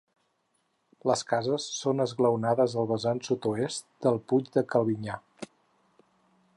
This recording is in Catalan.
Les cases són esglaonades al vessant sud-oest del puig de Calbinyà.